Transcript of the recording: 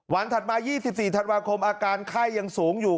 ถัดมา๒๔ธันวาคมอาการไข้ยังสูงอยู่